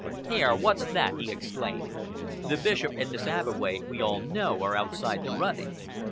"Here, what's that?" he exclaimed. "The Bishop, and Miss Abbeway, we all know, are outside the running.